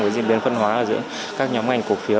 với diễn biến phân hóa ở giữa các nhóm ngành cổ phiếu